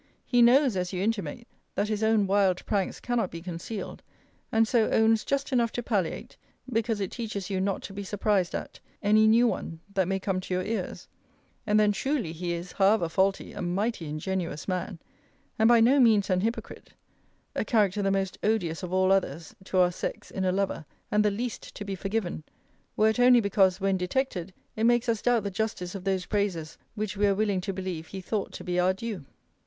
He knows, as you intimate, that his own wild pranks cannot be concealed: and so owns just enough to palliate (because it teaches you not to be surprised at) any new one, that may come to your ears; and then, truly, he is, however faulty, a mighty ingenuous man; and by no means an hypocrite: a character the most odious of all others, to our sex, in a lover, and the least to be forgiven, were it only because, when detected, it makes us doubt the justice of those praises which we are willing to believe he thought to be our due.